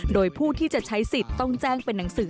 โดยผู้ที่จะใช้สิทธิ์ต้องแจ้งเป็นหนังสือ